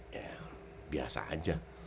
ya biasa aja